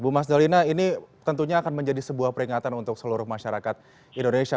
bu mas dalina ini tentunya akan menjadi sebuah peringatan untuk seluruh masyarakat indonesia